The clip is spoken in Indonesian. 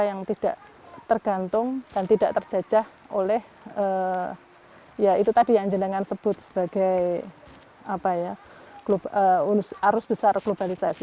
yang tidak tergantung dan tidak terjajah oleh ya itu tadi yang jenangan sebut sebagai arus besar globalisasi